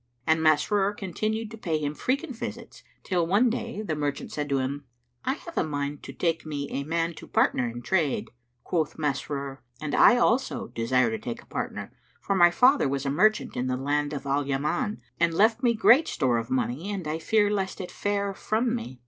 And Masrur continued to pay him frequent visits till, one day, the merchant said to him, "I have a mind to take me a man to partner in trade." Quoth Masrur, "And I also, desire to take a partner; for my father was a merchant in the land of Al Yaman and left me great store of money and I fear lest it fare from me."